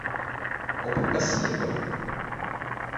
我並不是一個人